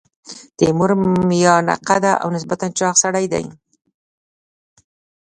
تیمور میانه قده او نسبتا چاغ سړی دی.